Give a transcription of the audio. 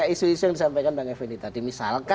isu isu yang disampaikan bang evin tadi misalkan